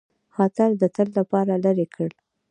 خطر د تل لپاره لیري کړ.